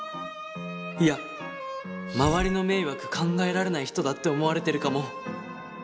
いや周りの迷惑考えられない人だって思われてるかも。